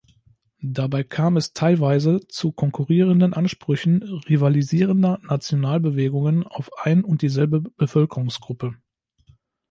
Dabei kam es teilweise zu konkurrierenden „Ansprüchen“ rivalisierender Nationalbewegungen auf ein und dieselbe Bevölkerungsgruppe.